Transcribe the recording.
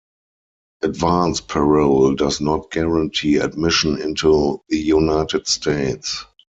Advance parole does not guarantee admission into the United States.